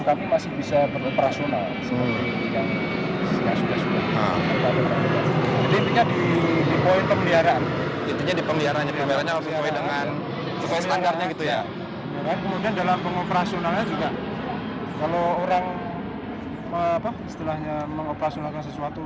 kalau orang setelahnya mengoperasionalkan sesuatu